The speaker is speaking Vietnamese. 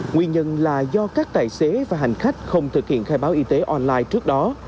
nguyên nhân là do các tài xế và hành khách không thực hiện khai báo y tế online trước đó